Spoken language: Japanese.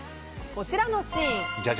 こちらのシーン。